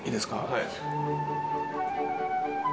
はい。